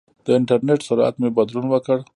د انټرنېټ سرعت مې بدلون وکړ.